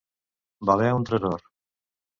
Valer un tresor.